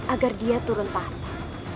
agar dia turun tahta